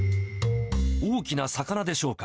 大きな魚でしょうか。